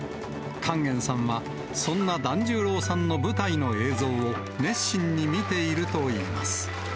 勸玄さんは、そんな團十郎さんの舞台の映像を熱心に見ているといいます。